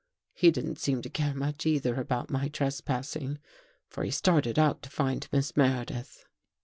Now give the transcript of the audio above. He didn't seem to care much either about my trespassing, for he started out to find Miss Meredith.